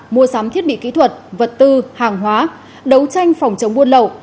mua sắm thiết bị kỹ thuật vật tư hàng hóa đấu tranh phòng chống buôn lậu